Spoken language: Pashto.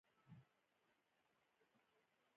دا شمېر له نولس سوه څلور دېرش کال اټکل کم و.